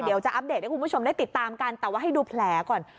เดี๋ยวจะอัปเดตให้คุณผู้ชมได้ติดตามกันแต่ว่าให้ดูแผลก่อน